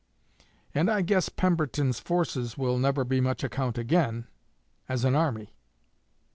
And I guess Pemberton's forces will never be much account again _as an army.